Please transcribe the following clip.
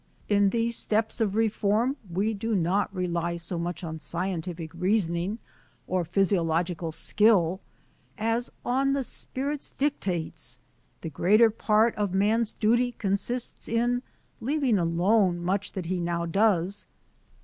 " In these steps of reform, we do not rely so much on scientific reasoning or physiological skill as on the spirit's dictates. The greater part of man's duty consists in leaving alone much that he now does.